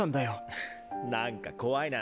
フッなんか怖いな。